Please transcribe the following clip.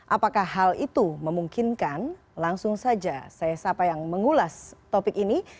apakah hal itu memungkinkan langsung saja saya sapa yang mengulas topik ini